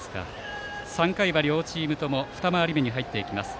３回は両チームとも二回り目に入っていきます。